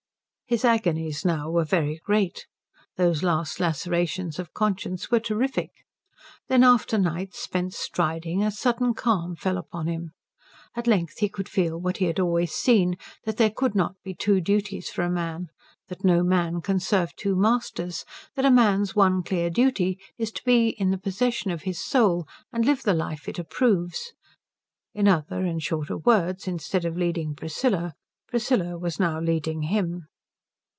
His agonies now were very great. Those last lacerations of conscience were terrific. Then, after nights spent striding, a sudden calm fell upon him. At length he could feel what he had always seen, that there could not be two duties for a man, that no man can serve two masters, that a man's one clear duty is to be in the possession of his soul and live the life it approves: in other and shorter words, instead of leading Priscilla, Priscilla was now leading him.